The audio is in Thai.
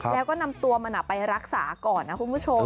แล้วก็นำตัวมันไปรักษาก่อนนะคุณผู้ชม